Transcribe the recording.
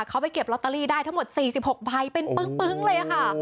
เขาไปเก็บลอตเตอรี่ได้ทั้งหมด๔๖ใบเป็นปึ้งเลยค่ะ